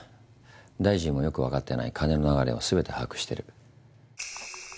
大臣もよくわかってない金の流れを全て把握してる。